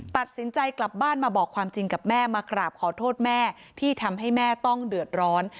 ตัดสินใจกลับบ้านมาบอกความจริงกับแม่มากราบขอโทษแม่ที่ทำให้แม่ต้องเดือดร้อน